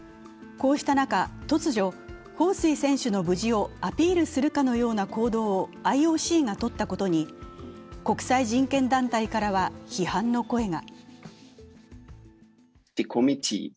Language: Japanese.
こうした中、突如、彭帥選手の無事をアピールするかのような行動をＩＯＣがとったことに、国際人権団体からは批判の声が。